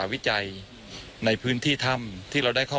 คุณทัศนาควดทองเลยค่ะ